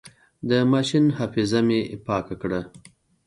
د ماشين حافظه مې پاکه کړه.